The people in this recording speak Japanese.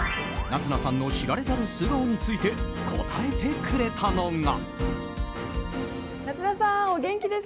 夏菜さんの知られざる素顔について答えてくれたのが。